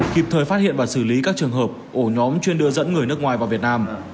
kịp thời phát hiện và xử lý các trường hợp ổ nhóm chuyên đưa dẫn người nước ngoài vào việt nam